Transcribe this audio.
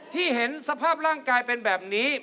เห็นสภาพร่างกายเป็นแบบนี้